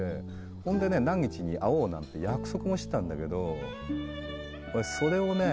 ほんでね何日に会おうなんて約束もしてたんだけどそれをね